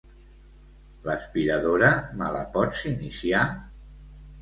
L'aspiradora, me la pots iniciar?